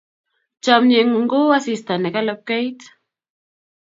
Chamyengung ko u asista ne kalapkeit